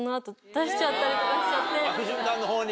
悪循環の方に。